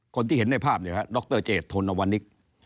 คนที่เห็นในภาพนี้ดรเจดโทนวนิก